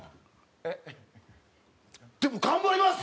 でも頑張ります！